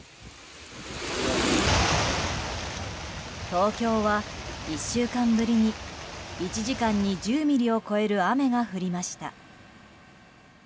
東京は、１週間ぶりに１時間に１０ミリを超える雨が降りました。